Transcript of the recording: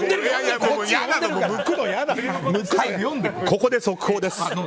ここで速報です。